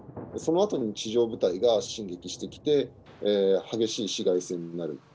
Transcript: そのあとに地上部隊が進撃してきて、激しい市街戦になる。